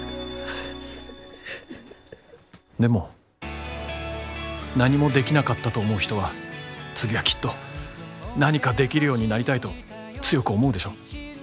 でも何もできなかったと思う人は次はきっと何かできるようになりたいと強く思うでしょ？